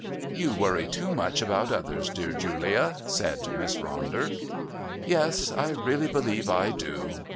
"You worry too much about others, dear Julia," said Miss Ronder. "Yes, I really believe I do.